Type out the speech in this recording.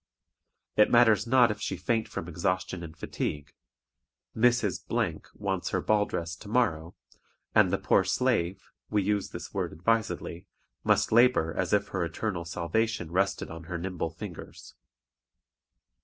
It matters not if she faint from exhaustion and fatigue; Mrs. wants her ball dress to morrow, and the poor slave (we use this word advisedly) must labor as if her eternal salvation rested on her nimble fingers.